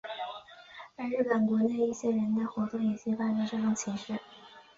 而日本国内一些人的活动也激发着这种情绪。